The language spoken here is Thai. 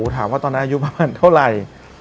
ถามว่าตอนนั้นอายุประมาณเท่าไหร่